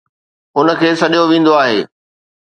ان کي سڏيو ويندو آهي